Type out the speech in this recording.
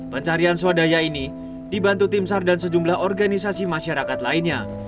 pencarian swadaya ini dibantu tim sar dan sejumlah organisasi masyarakat lainnya